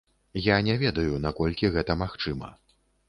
Я не ведаю, наколькі гэта магчыма.